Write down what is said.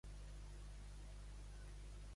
Per a què va utilitzar el mètode d'atenció plena?